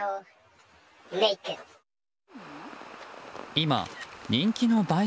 今人気の映え